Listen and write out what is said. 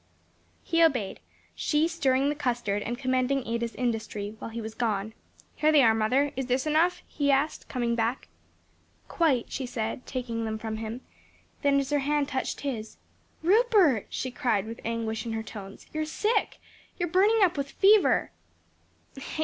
He obeyed, she stirring the custard and commending Ada's industry, while he was gone. "Here they are, mother; is this enough?" he asked, coming back. "Quite," she said taking them from him; then as her hand touched his, "Rupert," she cried with anguish in her tones, "you are sick! burning up with fever!"